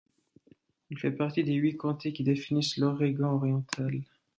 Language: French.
Il fait partie des huit comtés qui définissent l'Orégon orientale.